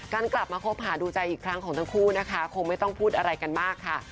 กลับมาคบหาดูใจอีกครั้งของทั้งคู่นะคะคงไม่ต้องพูดอะไรกันมากค่ะ